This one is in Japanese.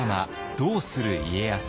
「どうする家康」。